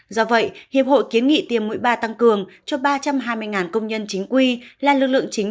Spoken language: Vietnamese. do vậy hiệp hội kiến nghị tiêm mũi ba tăng cường cho ba trăm hai mươi công nhân chính quy là lực lượng chính